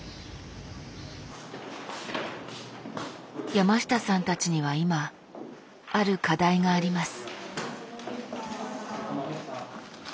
山下さんたちには今ある課題があります。